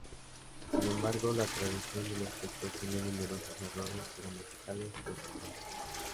Sin embargo, la traducción de los textos tenía numerosos errores gramaticales y ortográficos.